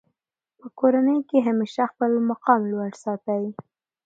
په کورنۍ کښي همېشه خپل مقام لوړ ساتئ!